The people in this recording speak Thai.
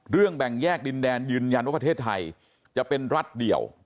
แบ่งแยกดินแดนยืนยันว่าประเทศไทยจะเป็นรัฐเดี่ยว